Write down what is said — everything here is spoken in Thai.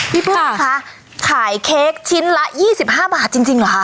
พี่พึ่งคะขายเค้กชิ้นละ๒๕บาทจริงหรือคะ